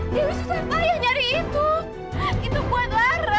di dalam mbak